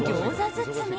包み。